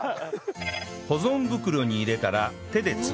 保存袋に入れたら手で潰します